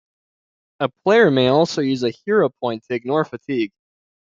A player may also use a Hero Point to ignore fatigue.